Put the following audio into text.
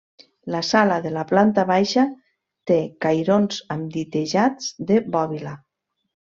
La sala de la planta baixa té cairons amb ditejats de bòbila.